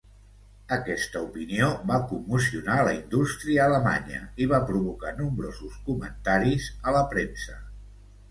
Aquesta opinió va commocionar la indústria alemanya i va provocar nombrosos comentaris a la premsa.